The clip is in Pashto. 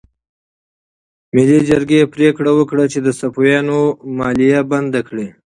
ملي جرګې پریکړه وکړه چې د صفویانو مالیه بنده کړي.